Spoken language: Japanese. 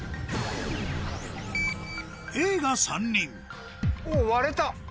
Ａが３人おっ割れた！